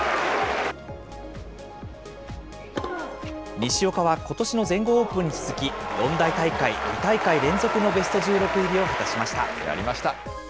西岡はことしの全豪オープンに続き、四大大会２大会連続のベスト１６入りを果たしました。